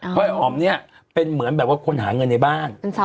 เพราะไอ้อ๋อมเนี่ยเป็นเหมือนแบบว่าคนหาเงินในบ้าน